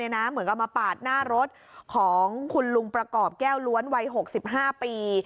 เหมือนกับมาปาดหน้ารถของคุณลุงประกอบแก้วล้วนวัย๖๕ปี